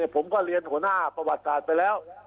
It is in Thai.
ผมก็เรียนหัวหน้าประวัติศาสตร์ไปแล้ว